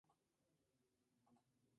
Ellos forman una gran raíz primaria.